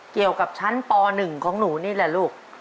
เกี่ยวกับชั้นป๑ของหนูนี่แหละลูก